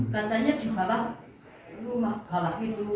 katanya di bawah rumah itu